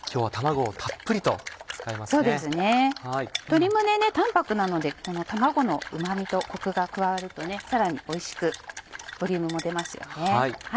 鶏胸ね淡泊なのでこの卵のうま味とコクが加わるとさらにおいしくボリュームも出ますよね。